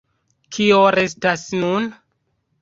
Kio restas nun?